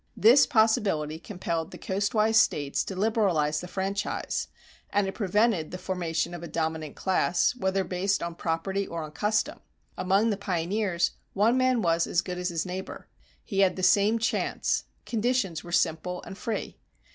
This possibility compelled the coastwise States to liberalize the franchise; and it prevented the formation of a dominant class, whether based on property or on custom. Among the pioneers one man was as good as his neighbor. He had the same chance; conditions were simple and free.